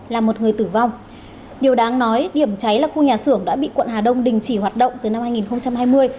là một người tử vong điều đáng nói điểm cháy là khu nhà xưởng đã bị quận hà đông đình chỉ hoạt động từ năm hai nghìn hai mươi